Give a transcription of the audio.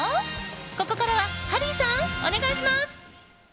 ここからはハリーさん、お願いします！